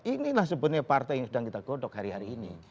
inilah sebenarnya partai yang sedang kita godok hari hari ini